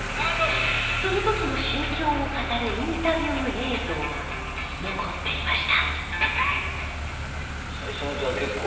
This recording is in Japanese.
その時の心境を語るインタビュー映像が残っていました